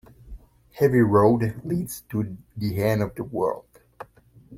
Every road leads to the end of the world.